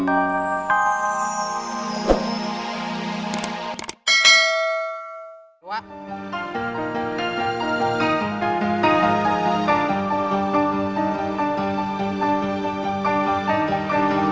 assalamualaikum warahmatullahi wabarakatuh